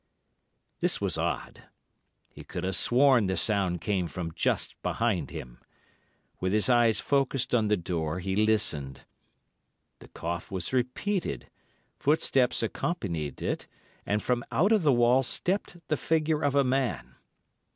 "This was odd. He could have sworn the sound came from just behind him. With his eyes focussed on the door, he listened. The cough was repeated, footsteps accompanied it, and from out of the wall stepped the figure of a man.